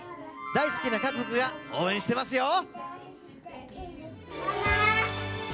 大好きな家族が応援していますよ！